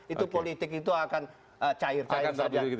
itu politik itu akan cair cair saja